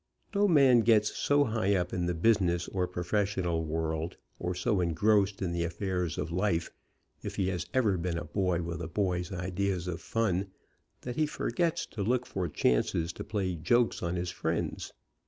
No man gets so high up in the business or professional world, or so engrossed in the affairs of life, if he has ever been a boy with a boy's ideas of fun, that he forgets to look for chances to play jokes on his friends.